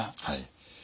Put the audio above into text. はい。